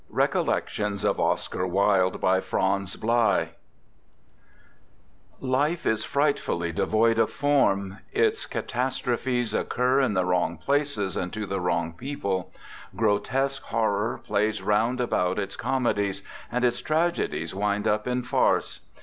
RECOLLECTIONS OF OSCAR WILDE BY FRANZ BLEI RECOLLECTIONS " T" IFE is frightfully devoid of form. *' Its catastrophes occur in the wrong places and to the wrong people. Gro tesque horror plays round about its comedies, and its tragedies wind up in farce.